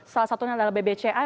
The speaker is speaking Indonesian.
salah satunya adalah bbci